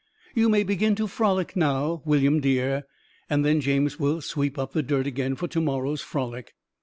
You may begin to frolic now, William Dear, and then James will sweep up the dirt again for to morrow's frolic."